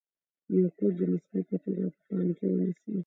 یو کوټ د مثال په توګه په پام کې ونیسئ.